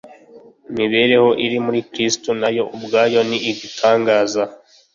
Imibereho iri muri Kristo na yo ubwayo ni igitangaza.